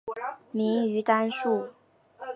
明于丹术。